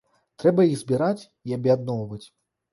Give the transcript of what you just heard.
Трэба іх збіраць і аб'ядноўваць.